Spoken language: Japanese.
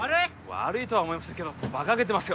悪いとは思いませんけどバカげてますよ